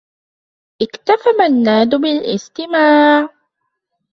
اكتفى منّاد بالاستماع.